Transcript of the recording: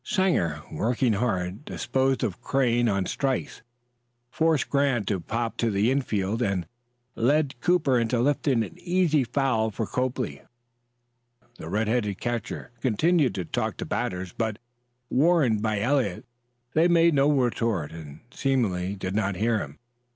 Sanger, working hard, disposed of Crane on strikes, forced Grant to pop to the infield, and led Cooper into lifting an easy foul for Copley. The red headed catcher continued to talk to the batters, but, warned by Eliot, they made no retort, and, seemingly, did not hear him.